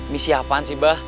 misi apaan sih bah